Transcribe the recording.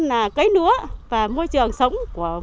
và cái lúa và môi trường sống